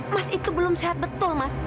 mas itu belum sehat betul mas